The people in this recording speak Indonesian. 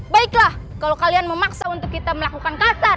baiklah kalau kalian memaksa untuk kita melakukan kasar